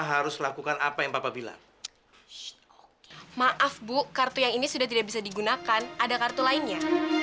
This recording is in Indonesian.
harus lakukan apa yang bapak bilang maaf bu kartu yang ini sudah tidak bisa digunakan ada kartu lainnya